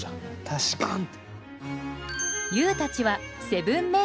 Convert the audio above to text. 確かに。